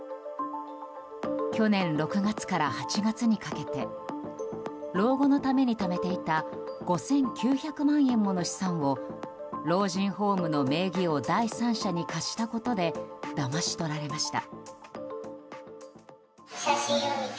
去年６月から８月にかけて老後のためにためていた５９００万円もの資産を老人ホームの名義を第三者に貸したことでだまし取られました。